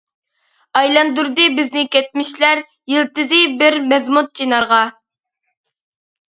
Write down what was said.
ئايلاندۇردى بىزنى كەچمىشلەر، يىلتىزى بىر مەزمۇت چىنارغا.